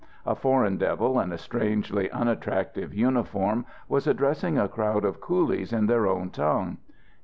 A Foreign Devil in a strangely unattractive uniform was addressing a crowd of coolies in their own tongue.